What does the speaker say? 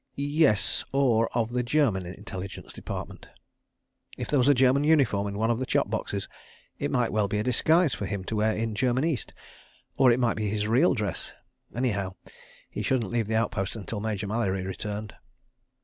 Yes, or of the German Intelligence Department. If there was a German uniform in one of the chop boxes, it might well be a disguise for him to wear in German East. Or it might be his real dress. Anyhow—he shouldn't leave the outpost until Major Mallery returned.